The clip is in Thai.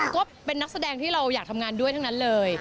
ก็เป็นนักแสดงที่เราอยากทำงานด้วยทั้งนั้นเลย